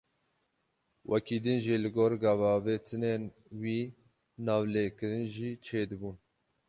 Wekî din jî, li gor gavavêtinên wî navlêkirin jî çêdibûn.